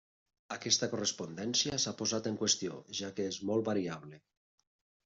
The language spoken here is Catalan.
Aquesta correspondència s'ha posat en qüestió, ja que és molt variable.